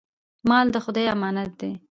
مال د خدای امانت دی.